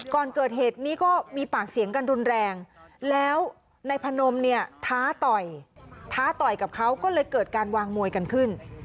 ก่อนเกิดเหตุนี้ก็มีปากเสียงกันรุนแรงแล้วนายพนมเนี่ยท้าต่อยท้าต่อยกับเขาก็เลยเกิดการวางมวยกันขึ้น